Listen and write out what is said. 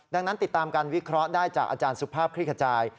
ดังนั้นติดตามการวิเคราะห์ได้จากอาจารย์สุภาพคลิกขจาย